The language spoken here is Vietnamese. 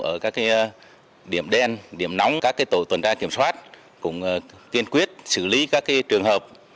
ở các điểm đen điểm nóng các tổ tuần tra kiểm soát cũng tiên quyết xử lý các trường hợp